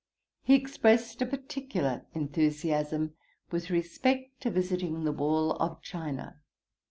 He expressed a particular enthusiasm with respect to visiting the wall of China.